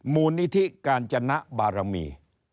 มูลนิธิกาญจนบารมี